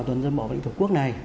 tuần dân bộ và lĩnh vực quốc này